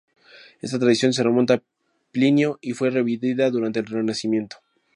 Esta tradición se remonta a Plinio y fue revivida durante el Renacimiento.